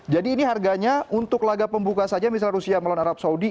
jadi ini harganya untuk laga pembuka saja misalnya rusia melawan arab saudi